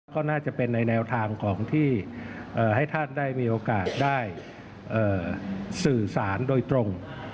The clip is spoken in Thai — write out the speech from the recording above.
ก็น่าจะเป็นในแนวทางของที่ให้ท่านได้มีโอกาสได้สื่อสารโดยตรง